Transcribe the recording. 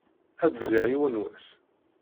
Ad d-zziɣ yiwen n wass.